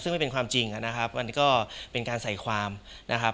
ซึ่งไม่เป็นความจริงนะครับมันก็เป็นการใส่ความนะครับ